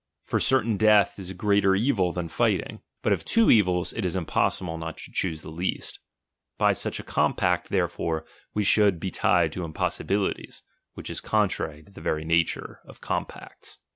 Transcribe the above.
For certain death is a greater evil than fighting. But of two evils it is impossible not to choose the least. By such a compact, therefore, we should be tied to impossibilities ; which is con trary to the very nature of compacts.